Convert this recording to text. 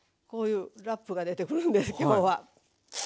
こういうラップが出てくるんです今日は。